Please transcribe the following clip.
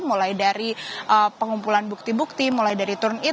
mulai dari pengumpulan bukti bukti mulai dari turn in